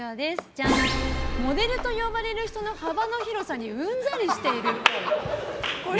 モデルと呼ばれる人の幅の広さにうんざりしているっぽい。